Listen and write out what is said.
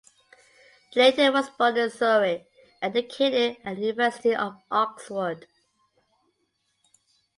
Layton was born in Surrey and educated at the University of Oxford.